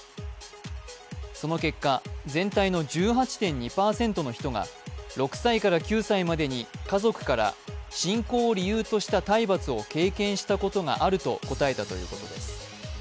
その結果、全体の１８．２％の人が６歳から９歳までに家族から信仰を理由とした体罰を経験したことがあると答えたということです。